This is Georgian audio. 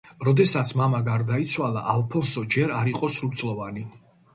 როდესაც მამა გარდაიცვალა, ალფონსო ჯერ არ იყო სრულწლოვანი.